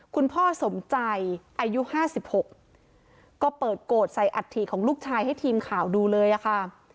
คุณพ่อสมใจอายุ๕๖ก็เปิดโกรธใส่อัฐิของลูกชายให้ทีมข่าวดูเลยอะค่ะ